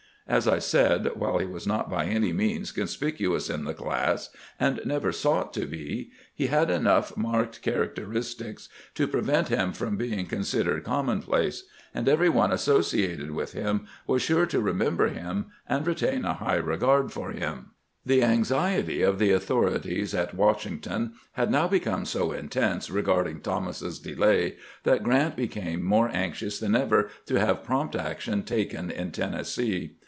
As I said, while he was not by any means conspicuous in the class, and never sought to be, he had enough marked characteristics to prevent him from being con GRANT OBDEES THOMAS TO MOVE AGAINST HOOD 343 sidered commonplace, and every one associated with him was sure to remember him and retain a high regard for him." The anxiety of the authorities at Washington had now become so intense regarding Thomas's delay that Grant became more anxious than ever to have prompt action taken in Tennessee.